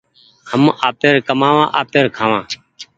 هم آپير ڪمآوآ آپير کآوان